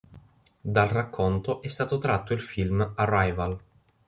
Dal racconto è stato tratto il film Arrival.